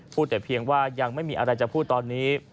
แต่เพียงว่ายังไม่มีอะไรจะพูดตอนนี้